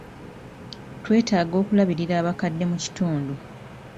Twetaaga okulabirira abakadde mu kitundu.